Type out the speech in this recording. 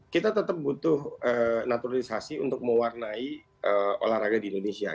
kita tetap butuh naturalisasi untuk mewarnai olahraga di indonesia